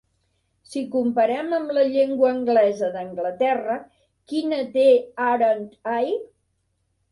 Si comparem amb la llengua anglesa d'Anglaterra, quina té "aren't I"?